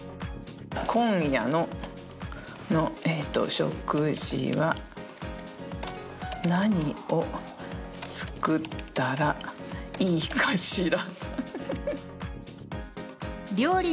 今夜の食事は何を作ったらいいかしら。